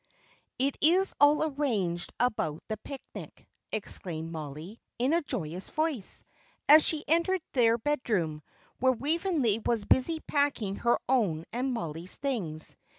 _ "It is all arranged about the picnic," exclaimed Mollie, in a joyous voice, as she entered their bedroom, where Waveney was busy packing her own and Mollie's things.